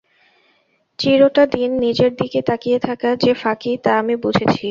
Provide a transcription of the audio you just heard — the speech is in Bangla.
চিরটা দিন নিজের দিকে তাকিয়ে থাকা যে ফাঁকি, তা আমি বুঝেছি।